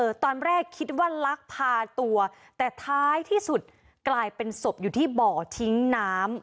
ตอนแรกคิดว่าลักพาตัวแต่ท้ายที่สุดกลายเป็นศพอยู่ที่บ่อทิ้งน้ำ